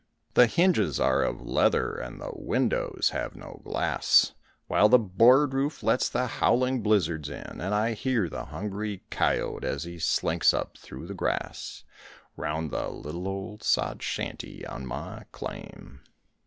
The hinges are of leather and the windows have no glass, While the board roof lets the howling blizzards in, And I hear the hungry cayote as he slinks up through the grass Round the little old sod shanty on my claim.